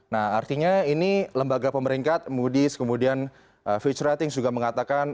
nah artinya ini lembaga pemerintah moody's kemudian future ratings juga mengatakan